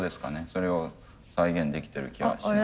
それを再現できてる気がします。